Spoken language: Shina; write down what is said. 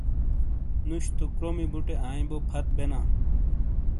نُش تو کرومی بُٹے آئیں بو پھت بینا۔